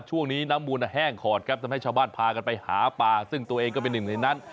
ช่วงนี้น้ำมูลแห้งขอดครับทำให้ชาวบ้านพากันไปหาปลาซึ่งตัวเองก็เป็นหนึ่งในนั้น